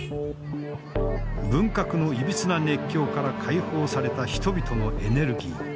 文革のいびつな熱狂から解放された人々のエネルギー。